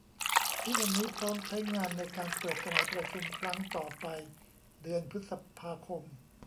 ที่วันนี้พร้อมใช้งานในการเปิดสมัยประชุมครั้งต่อไปเดือนพฤษภาคม